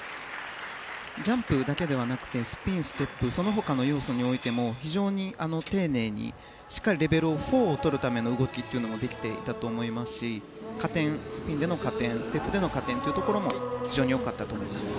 ジャンプだけではなくてスピン、ステップその他の要素においても非常に丁寧にしっかりレベル４をとるための動きができていたと思いますしスピンでの加点ステップでの加点も非常に良かったと思います。